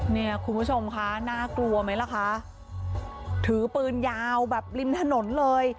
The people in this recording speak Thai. เนี่ยคุณผู้ชมคะน่ากลัวไหมล่ะคะถือปืนยาวแบบริมถนนเลย